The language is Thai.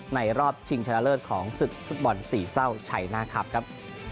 ในรอบชิงชะเลิศของศึกฟุตบอลสี่เหร่าใช้หน้าครับครับ